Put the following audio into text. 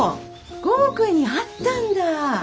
剛くんに会ったんだ。